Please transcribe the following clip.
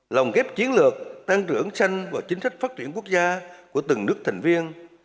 lòng ghép chiến lược tăng trưởng sanh và chính sách phát triển quốc gia của từng nước thành viên